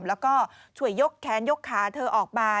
แล้วก็ช่วยยกแค้นยกขาเธอออกมา